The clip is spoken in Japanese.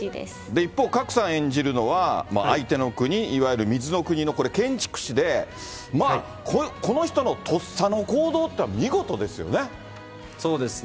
一方、賀来さん演じるのは相手の国、いわゆる水の国の建築士で、この人のとっさの行動ってのは、見事ですよね。